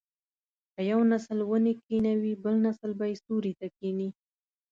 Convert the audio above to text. که یو نسل ونې کینوي بل نسل به یې سیوري ته کیني.